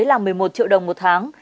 là một mươi một triệu đồng một tháng